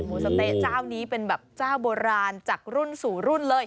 สะเต๊ะเจ้านี้เป็นแบบเจ้าโบราณจากรุ่นสู่รุ่นเลย